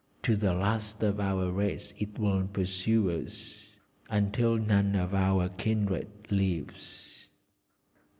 To the last of our race it will pursue us, until none of our kindred lives."